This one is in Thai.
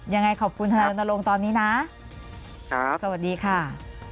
ยังไงขอบคุณทนายรณรงค์ตอนนี้นะครับสวัสดีค่ะ